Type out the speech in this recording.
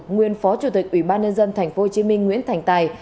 nguyên phó chủ tịch ủy ban nhân dân tp hcm nguyễn thành tài